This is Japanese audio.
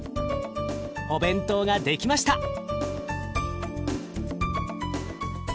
お弁当が出来ました。